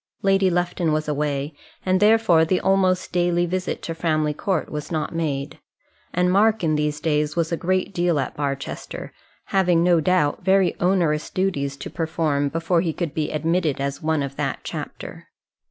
Lady Lufton was away, and therefore the almost daily visit to Framley Court was not made; and Mark in these days was a great deal at Barchester, having, no doubt, very onerous duties to perform before he could be admitted as one of that chapter.